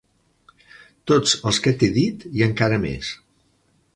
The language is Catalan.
- Tots els que t'he dit i encara més.